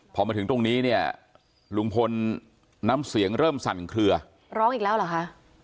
พอมาถึงตรงนี้เนี่ยลุงพลน้ำเสียงเริ่มสั่นเคลือร้องอีกแล้วเหรอคะ